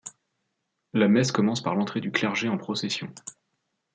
La messe commence par l’entrée du clergé en procession.